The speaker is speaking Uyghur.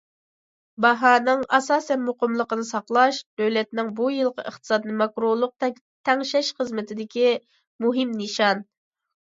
باھانىڭ ئاساسەن مۇقىملىقىنى ساقلاش دۆلەتنىڭ بۇ يىلقى ئىقتىسادنى ماكرولۇق تەڭشەش خىزمىتىدىكى مۇھىم نىشان.